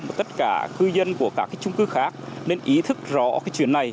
mà tất cả cư dân của các chung cư khác nên ý thức rõ chuyện này